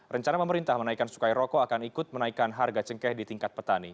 rencana pemerintah menaikkan cukai rokok akan ikut menaikkan harga cengkeh di tingkat petani